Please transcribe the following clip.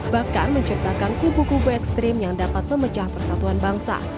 bahkan menciptakan kubu kubu ekstrim yang dapat memecah persatuan bangsa